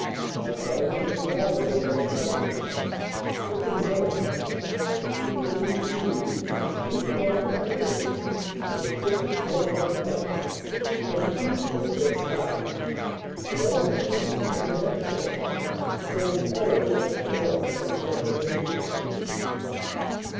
Our guns are shrouded in their tarpaulins, stricken dumb, and the attendant crews move about mechanically or sit and smoke their pipes, unheedful of their target. It all seems unnatural, so entirely has war become second nature.